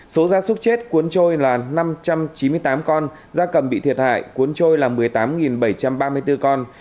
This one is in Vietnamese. số gia súc chết cuốn trôi là năm trăm chín mươi tám con da cầm bị thiệt hại cuốn trôi là một mươi tám bảy trăm ba mươi bốn con